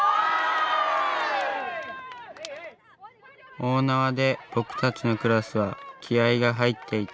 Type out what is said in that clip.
大縄で僕たちのクラスは気合いが入っていた。